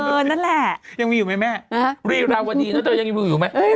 นั่นแหละยังมีอยู่ไหมแม่รีราวดีนะเธอยังมีอยู่ไหม